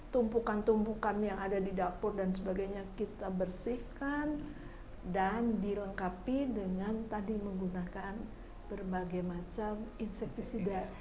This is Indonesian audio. tumpukan tumpukan yang ada di dapur dan sebagainya kita bersihkan dan dilengkapi dengan tadi menggunakan berbagai macam inseksisi